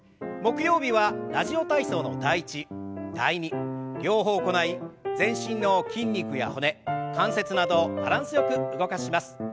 木曜日は「ラジオ体操」の「第１」「第２」両方行い全身の筋肉や骨関節などをバランスよく動かします。